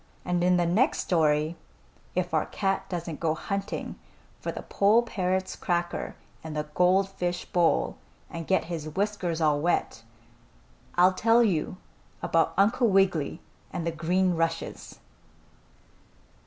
And in the next story, if our cat doesn't go hunting for the poll parrot's cracker in the gold fish bowl and get his whiskers all wet, I'll tell you about Uncle Wiggily and the green rushes.